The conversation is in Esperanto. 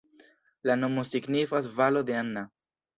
La nomo signifas valo de Anna.